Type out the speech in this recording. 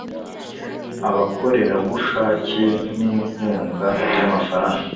Abakorerabushake ninkunga yamafaranga